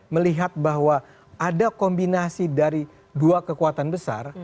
melihat bahwa ada kombinasi dari dua kekuatan besar